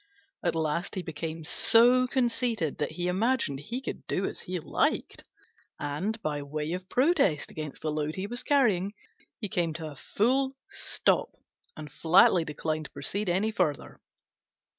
At last he became so conceited that he imagined he could do as he liked, and, by way of protest against the load he was carrying, he came to a full stop and flatly declined to proceed any further.